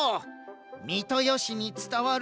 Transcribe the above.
三豊市につたわる